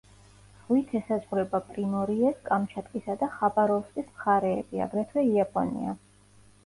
ზღვით ესაზღვრება პრიმორიეს, კამჩატკისა და ხაბაროვსკის მხარეები, აგრეთვე იაპონია.